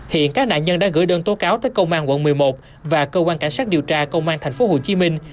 hiện các nạn nhân đã gửi đơn tố cáo tới công an quận một mươi một và cơ quan cảnh sát điều tra công an tp hcm